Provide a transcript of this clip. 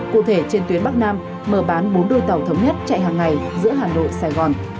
cụ thể trên tuyến bắc nam mở bán bốn đôi tàu thống nhất chạy hàng ngày giữa hà nội sài gòn